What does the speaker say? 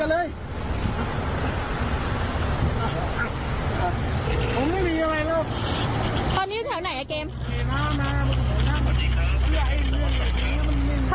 ฮัลโหลค่ะพี่ค่ะพอดีว่ามีการเฉียวชนรถแล้วค่ะ